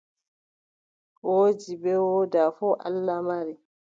Woodi bee woodaa fuu Allah mari.